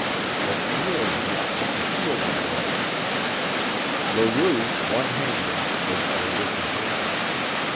But Pierre did not seem to feel the blows. Leroux, one handed, was at a disadvantage.